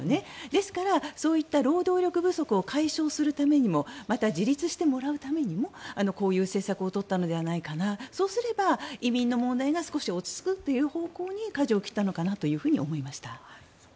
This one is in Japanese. ですから、そういった労働力不足を解消するためにもまた、自立してもらうためにもこういう政策を取ったのではないかなそうすれば移民の問題が少し落ち着くという方向にかじを切ったのかなと思いました。